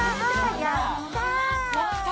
やった。